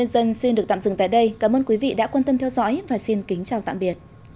cảm ơn các bạn đã theo dõi và hẹn gặp lại